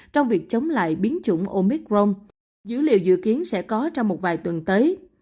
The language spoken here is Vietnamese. trong việc chống lại biến chủng omicron dữ liệu dự kiến sẽ có trong một vài tuần tới